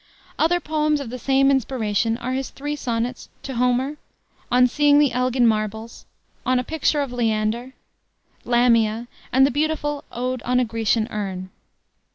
Other poems of the same inspiration are his three sonnets, To Homer, On Seeing the Elgin Marbles, On a Picture of Leander, Lamia, and the beautiful Ode on a Grecian Urn.